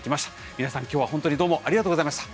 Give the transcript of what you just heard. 皆さん今日は本当にどうもありがとうございました。